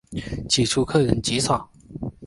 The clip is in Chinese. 起初客人极少。